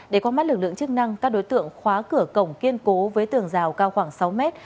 để qua mắt lực lượng chức năng các đối tượng khóa cửa cổng kiên cố với tường rào cao khoảng sáu mét